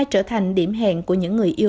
trở thành điểm hẹn của những người yêu